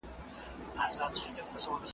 پر لکړه یې دروړمه هدیرې لمن دي نیسه .